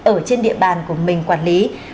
ở trên địa bàn của mình quản lý